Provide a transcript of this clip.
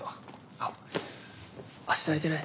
あっ明日空いてない？